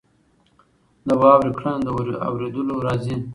د واورې کړنه له اورېدلو راځي.